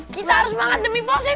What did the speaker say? kita harus semangat demi proses